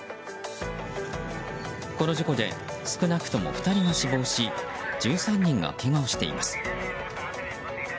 この事故で少なくとも２人が死亡し１３人がけがをしています。